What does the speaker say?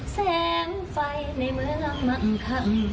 แสงไฟในเมืองมั่งขัง